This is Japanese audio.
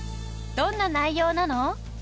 どんな内容なの？